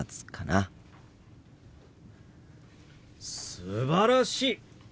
すばらしい！